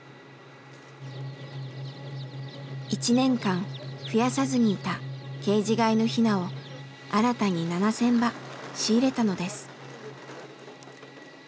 １年間ふやさずにいたケージ飼いのヒナを新たに７，０００羽仕入れたのです。